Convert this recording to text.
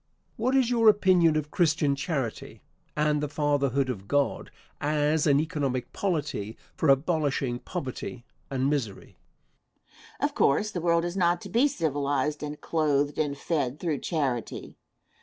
Question. What is your opinion of "Christian charity" and the "fatherhood of God" as an economic polity for abolishing poverty and misery? Answer. Of course, the world is not to be civilized and clothed and fed through charity.